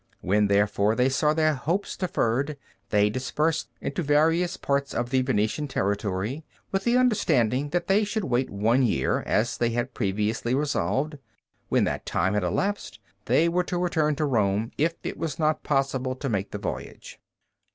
When, therefore, they saw their hopes deferred, they dispersed into various parts of the Venetian territory, with the understanding that they should wait one year, as they had previously resolved; when that time had elapsed, they were to return to Rome if it was not possible to make the voyage.